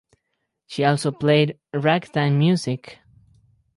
She also played ragtime music.